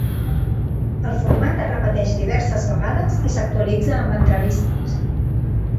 El format es repetix diverses vegades i s'actualitza amb entrevistes.